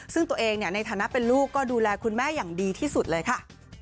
ซึ่งตัวเองในฐานะเป็นลูกก็ดูแลคุณแม่อย่างดีที่สุดเลยค่ะ